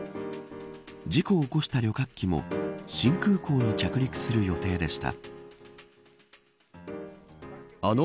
事故を起こした旅客機も新空港に着陸する予定でした。